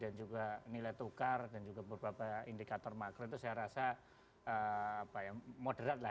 dan juga nilai tukar dan juga beberapa indikator makro itu saya rasa moderat lah